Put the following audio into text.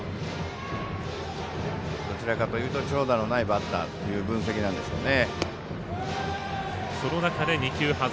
どちらかというと長打のないバッターという分析なんでしょうね。